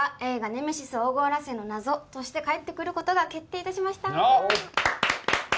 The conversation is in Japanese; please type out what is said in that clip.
ネメシス黄金螺旋の謎として帰ってくることが決定いたしました。